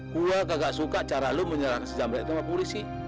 gue gak suka cara lu menyerang si jamret itu sama polisi